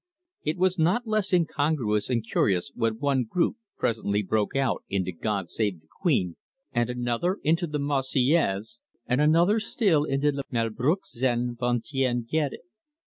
It was not less incongruous and curious when one group presently broke out into 'God save the Queen', and another into the 'Marseillaise', and another still into 'Malbrouck s'en va t'en guerre'.